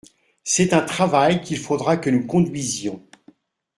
C’est un travail qu’il faudra que nous conduisions.